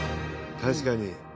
確かに。